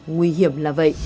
nguy hiểm là vậy